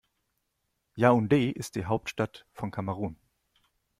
Yaoundé ist die Hauptstadt von Kamerun.